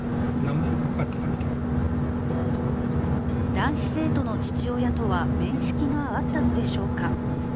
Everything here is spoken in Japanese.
男子生徒の父親とは面識があったのでしょうか。